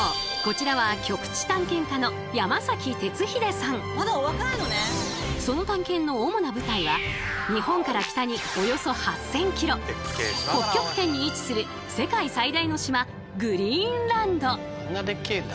そうこちらはその探検の主な舞台は日本から北におよそ８，０００ｋｍ北極圏に位置するあんなでっけえんだ。